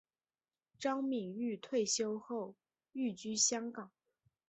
张敏钰退休后寓居香港。